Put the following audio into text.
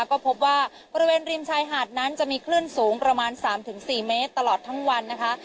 ก็พบว่าบริเวณริมชายหาดนั้นจะมีคลื่นสูงประมาณ๓๔เมตรตลอดทั้งวันนะคะ